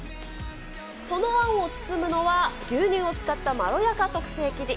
そのあんを包むのは、牛乳を使ったまろやか特製生地。